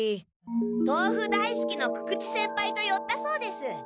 豆腐大すきの久々知先輩とよったそうです。